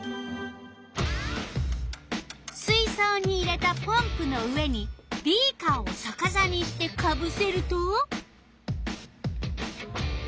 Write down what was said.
水そうに入れたポンプの上にビーカーをさかさにしてかぶせると。